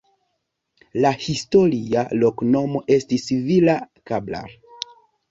La historia loknomo estis Vila Cabral.